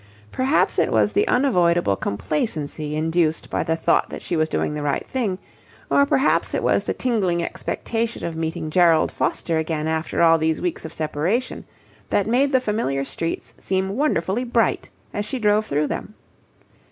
Perhaps it was the unavoidable complacency induced by the thought that she was doing the right thing, or possibly it was the tingling expectation of meeting Gerald Foster again after all these weeks of separation, that made the familiar streets seem wonderfully bright as she drove through them.